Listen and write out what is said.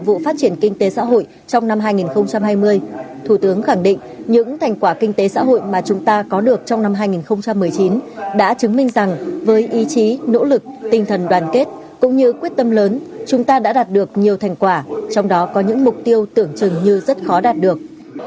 với ý chí nỗ lực tinh thần đoàn kết cũng như quyết tâm lớn chúng ta đã đạt được nhiều thành quả trong đó có những mục tiêu tưởng chừng như rất khó đạt được